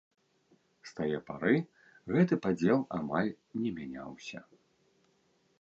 З тае пары гэты падзел амаль не мяняўся.